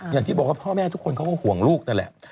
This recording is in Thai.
อย่างที่บอกว่าพ่อแม่ทุกคนเขาก็ห่วงลูกนั่นแหละ